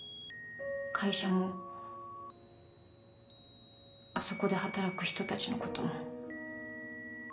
会社もあそこで働く人たちのことも。